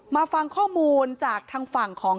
มาฟังข้อมูลจากทางฝั่งของ